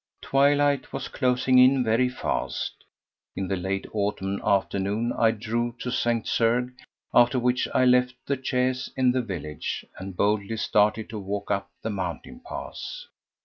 Twilight was closing in very fast. In the late autumn afternoon I drove to St. Cergues, after which I left the chaise in the village and boldly started to walk up the mountain pass.